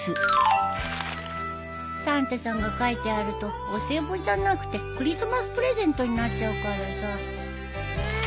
サンタさんが描いてあるとお歳暮じゃなくてクリスマスプレゼントになっちゃうからさ。